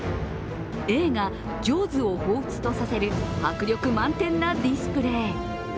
映画「ジョーズ」をほうふつとさせる迫力満点なディスプレー。